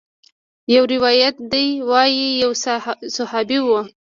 يو روايت ديه وايي يو صحابي و.